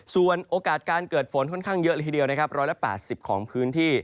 ส่วนโอกาสการเกิดฝนค่อนข้างเยอะเลยทีเดียวนะครับ๑๘๐ของพื้นที่